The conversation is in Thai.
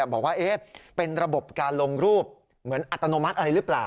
บอกว่าเป็นระบบการลงรูปเหมือนอัตโนมัติอะไรหรือเปล่า